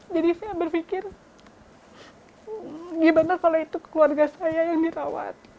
jadi saya berpikir gimana kalau itu keluarga saya yang dirawat